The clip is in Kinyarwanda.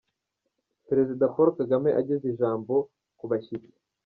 Perezida Paul Kagame ageza ijambo ku bashyitsi.